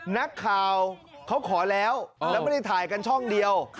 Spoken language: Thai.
นักข่าวเขาขอแล้วแล้วไม่ได้ถ่ายกันช่องเดียว